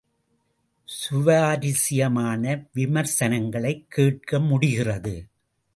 சுவாரசியமான விமர்சனங்களைக் கேட்க முடிகிறது.